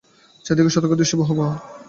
চারি দিকেই সতর্ক দৃষ্টির ব্যূহ।